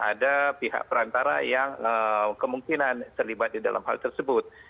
ada pihak perantara yang kemungkinan terlibat di dalam hal tersebut